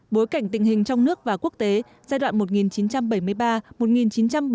bối cảnh tình hình trong nước và quốc tế giai đoạn một nghìn chín trăm bảy mươi ba một nghìn chín trăm bảy mươi năm